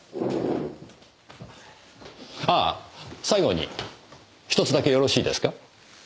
ああ最後にひとつだけよろしいですか？